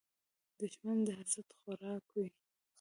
دښمن د حسد خوراک وي